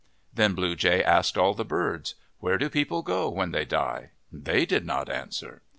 Then Blue Jay asked all the birds, "Where do people go when they die ?' They did not answer.